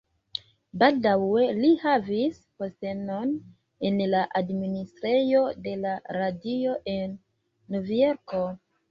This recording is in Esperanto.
Baldaŭe li havis postenon en la administrejo de la Radio en Novjorko.